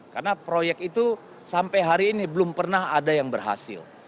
karena proyek itu sampai hari ini belum pernah ada yang berhasil